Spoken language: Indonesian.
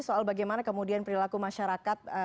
soal bagaimana kemudian perilaku masyarakat